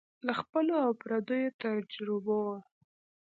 له خپلو او پردیو تجربو